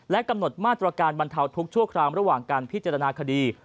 กำหนดมาตรการบรรเทาทุกชั่วคราวระหว่างการพิจารณาคดี